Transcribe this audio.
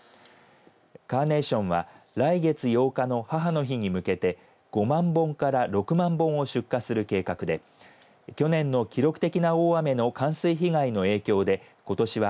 カーネーションは来月８日の母の日に向けて５万本から６万本を出荷する計画で去年の記録的な大雨の冠水被害の影響で、ことしは